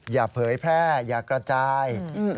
เผยแพร่อย่ากระจาย